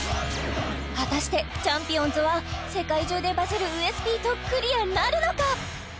果たしてちゃんぴおんずは世界中でバズるウエスＰとクリアなるのか！？